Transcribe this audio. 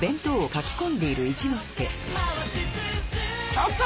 ちょっと！